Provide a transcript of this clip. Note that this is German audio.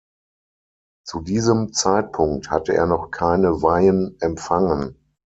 Zu diesem Zeitpunkt hatte er noch keine Weihen empfangen.